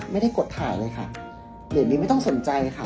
กดถ่ายเลยค่ะเดี๋ยวนี้ไม่ต้องสนใจค่ะ